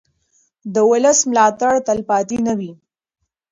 د ولس ملاتړ تلپاتې نه وي